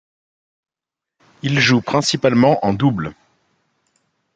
Il joue principalement en double.